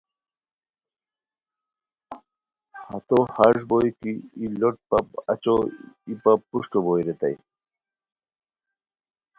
ہتو ہݰ بوئے کی ای لوٹ پپ اچو ای پپ پروشٹو بوئے ریتائے